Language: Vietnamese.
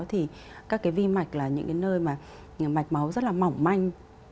thì các cái vi mạch là những cái nơi mà mạch máu rất là mỏng manh